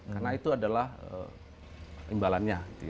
karena itu adalah imbalannya